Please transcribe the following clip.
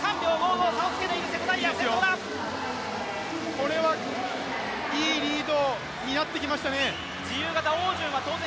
これはいいリードになってきましたね。